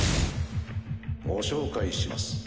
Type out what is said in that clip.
ご紹介します。